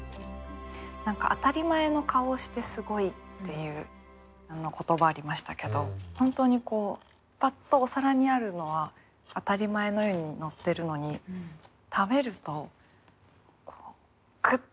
何か「あたり前の顔をしてすごい」っていう言葉ありましたけど本当にパッとお皿にあるのは当たり前のようにのってるのに食べるとグッとすごみを感じる。